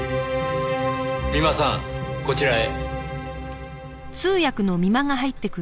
美間さんこちらへ。